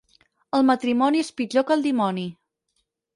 El matrimoni és pitjor que el dimoni.